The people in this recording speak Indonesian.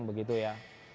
itu mereka ada buka mata